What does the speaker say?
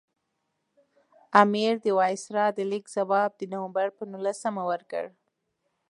امیر د وایسرا د لیک ځواب د نومبر پر نولسمه ورکړ.